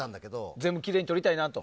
全部きれいに取りたいなと。